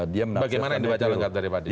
bagaimana yang dibaca lengkap dari pak dik